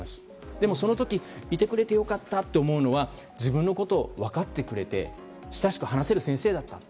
でもその時、いてくれて良かったと思うのは自分のことを分かってくれて親しく話せる先生だった。